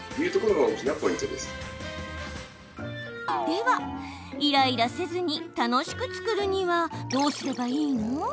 では、イライラせずに楽しく作るにはどうすればいいの？